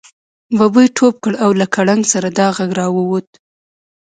ببۍ ټوپ کړه او له کړنګ سره دا غږ را ووت.